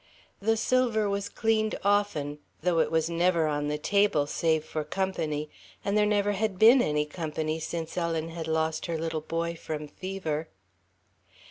The silver was cleaned often, though it was never on the table, save for company, and there never had been any company since Ellen had lost her little boy from fever.